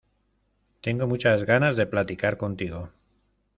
Tengo muchas ganas de platicar contigo.